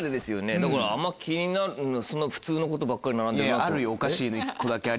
だからあんま気になるのそんな普通のことばっかり並んでるなと。